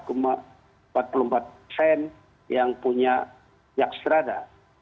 dan juga ada peraturan yang selain itu yang diperlukan perusahaan yang memiliki jak strada